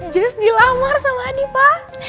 just dilamar sama adi pak